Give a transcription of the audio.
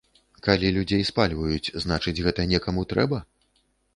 Калі людзей спальваюць, значыць, гэта некаму трэба?